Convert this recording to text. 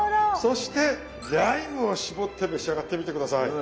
そしてライムを絞って召し上がってみて下さい。